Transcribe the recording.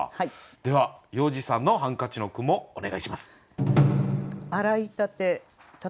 では要次さんの「ハンカチ」の句もお願いします。